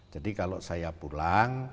jadi kalau saya pulang